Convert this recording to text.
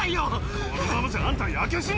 このままじゃあんた焼け死ぬぞ。